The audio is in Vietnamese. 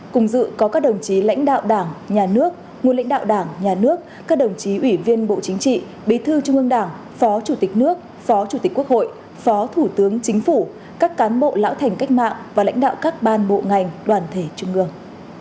cùng dự có các đồng chí lãnh đạo đảng nhà nước nguồn lãnh đạo đảng nhà nước các đồng chí ủy viên bộ chính trị bí thư trung ương đảng phó chủ tịch nước phó chủ tịch quốc hội phó thủ tướng chính phủ các cán bộ lão thành cách mạng và lãnh đạo các ban bộ ngành đoàn thể trung ương